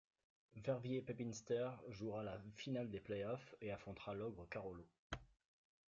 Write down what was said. Verviers-Pepinster jouera la finale des play-off et affronta l’ogre Carolo.